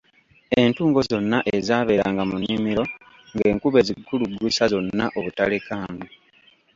Entungo zonna ezaabeeranga mu nnimiro ng'enkuba ezikuluggusa zonna obutalekaamu.